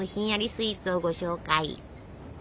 スイーツをご紹介！